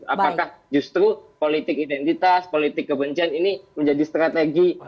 apakah justru politik identitas politik kebencian ini menjadi strategi